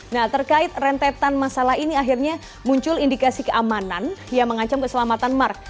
nah terkait rentetan masalah ini akhirnya muncul indikasi keamanan yang mengancam keselamatan mark